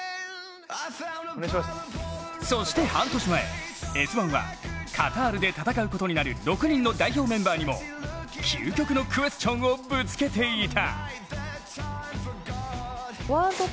そして半年前、「Ｓ☆１」はカタールで戦うことになる６人の代表メンバーにも究極のクエスチョンをぶつけていた。